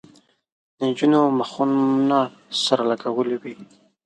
نجونو مخونه سره لگولي وو.